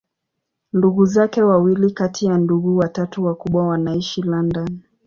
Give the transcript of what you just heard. Ndugu zake wawili kati ya ndugu watatu wakubwa wanaishi London.